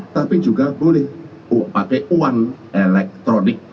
tapi juga boleh pakai uang elektronik